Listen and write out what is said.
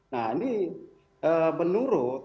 nah ini menurut